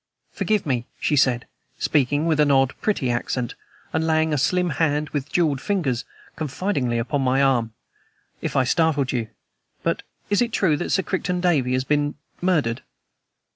"Forgive me," she said, speaking with an odd, pretty accent, and laying a slim hand, with jeweled fingers, confidingly upon my arm, "if I startled you. But is it true that Sir Crichton Davey has been murdered?"